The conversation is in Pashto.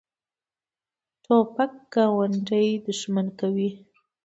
توپک ګاونډي دښمن کوي.